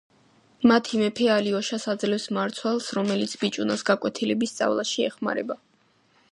მათი მეფე ალიოშას აძლევს მარცვალს, რომელიც ბიჭუნას გაკვეთილების სწავლაში ეხმარება.